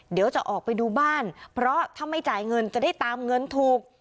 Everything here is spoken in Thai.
เดี๋ยวจะออกไปดูบ้านเพราะถ้าไม่จ่ายเงินจะได้ตามเงินถูก